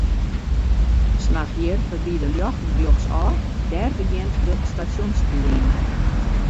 Slach hjir foarby de ljochten rjochtsôf, dêr begjint de Stasjonsleane.